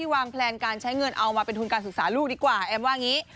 วางแพลนการใช้เงินเอามาเป็นทุนการศึกษาลูกดีกว่าแอมว่างี้